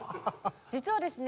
実はですね